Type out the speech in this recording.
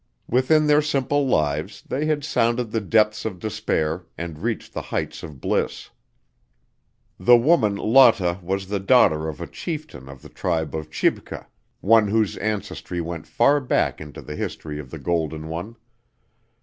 Within their simple lives they had sounded the depths of despair and reached the heights of bliss. The woman Lotta was the daughter of a chieftain of the tribe of Chibca, one whose ancestry went far back into the history of the Golden One.